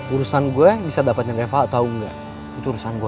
urusan gue bisa dapetin reva atau enggak itu urusan gue